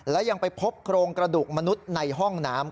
และยังไปพบโครงกระดูกมนุษย์ในห้องน้ำ